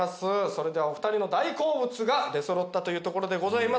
それではお二人の大好物が出そろったというところでございます。